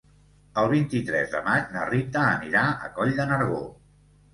El vint-i-tres de maig na Rita anirà a Coll de Nargó.